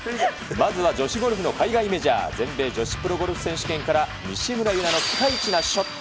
まずは女子ゴルフの海外メジャー、全米女子プロゴルフ選手権から西村優菜のピカイチなショット。